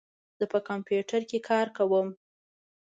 زه په کمپیوټر کې کار کوم.